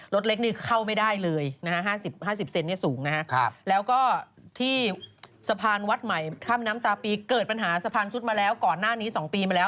รถเล็กนี่เข้าไม่ได้เลยแล้วที่สะพานวัดใหม่ค่าผิมน้ำตาปีเกิดปัญหาสะพานซุดมาแล้วก่อนหน้านี้สองปีมาแล้ว